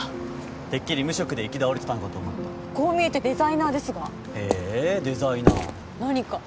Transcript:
てっきり無職で行き倒れてたのかと思ったこう見えてデザイナーですがへえデザイナー何か？